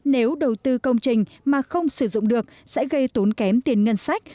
nếu đầu tư công trình mà không sử dụng được sẽ gây tốn kém tiền ngân sách